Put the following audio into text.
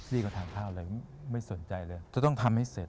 รีบเขาทานข้าวอะไรไม่สนใจเลยจะต้องทำให้เสร็จ